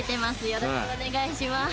よろしくお願いします。